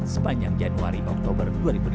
sepanjang januari oktober dua ribu delapan belas